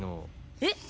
えっ？